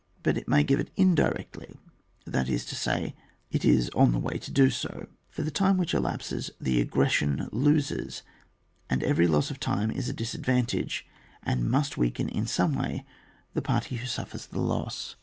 But it may give it indirectly , that is to say, it is on the way to do so ; for the time which elapses the aggression loses, and every loss of time is a disadvantage, and must weaken in some way the party who suffers the loss.